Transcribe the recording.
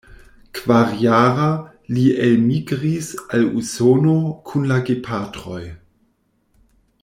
Kvarjara, li elmigris al Usono kun la gepatroj.